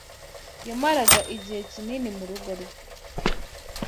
Yamaraga igihe kinini murugo rwe.